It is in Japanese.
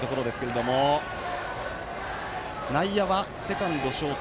内野はセカンド、ショート